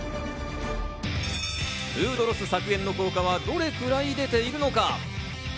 フードロス削減の効果はどれくらい出ているのか。